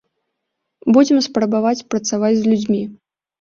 Будзем спрабаваць працаваць з людзьмі.